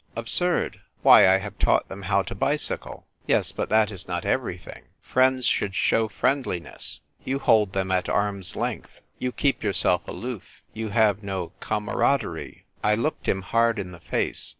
Absurd ! Why, I have taught them how to bicycle." "Yes ; but that is not everything. Friends should show friendliness. You hold them at arm's length. You keep yourself aloof. You have no camaraderie.^^ I looked him hard in the face.